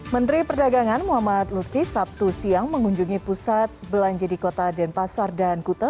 menteri perdagangan muhammad lutfi sabtu siang mengunjungi pusat belanja di kota denpasar dan kute